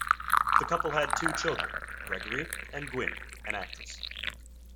The couple had two children, Gregory and Gwynne, an actress.